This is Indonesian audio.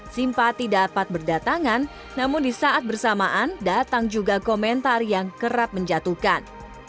simpati dapat berdatangan namun di saat bersamaan datang juga komentar yang kerap menjatuhkan